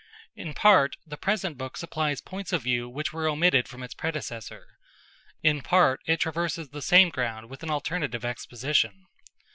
In part the present book supplies points of view which were omitted from its predecessor; in part it traverses the same ground with an alternative exposition.